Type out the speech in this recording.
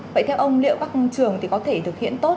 vậy theo ông liệu các trường thì có thể thực hiện tốt